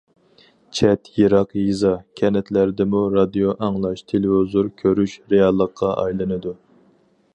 چەت، يىراق يېزا، كەنتلەردىمۇ رادىيو ئاڭلاش، تېلېۋىزور كۆرۈش رېئاللىققا ئايلىنىدۇ.